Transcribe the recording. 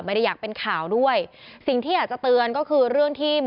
อ๋ออีก๓เดือนเดือนนี้